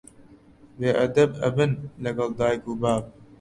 بێ ئەدەب ئەبن لەگەڵ دایک و باب